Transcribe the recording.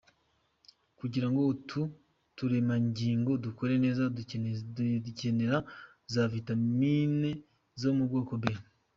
Kugirango utu turemangingo dukore neza dukenera za vitamines zo mu bwoko B.